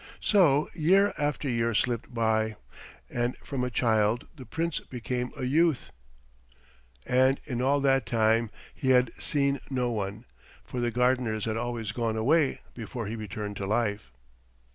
So year after year slipped by, and from a child the Prince became a youth, and in all that time he had seen no one, for the gardeners had always gone away before he returned to life.